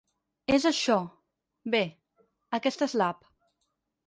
És això, bé, aquesta és l'App.